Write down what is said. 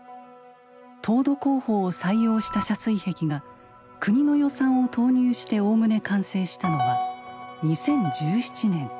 凍土工法を採用した遮水壁が国の予算を投入しておおむね完成したのは２０１７年。